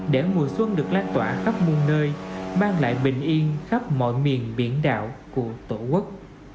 để mùa xuân được lan tỏa khắp nguồn nơi mang lại bình yên khắp mọi miền biển đảo của tổ quốc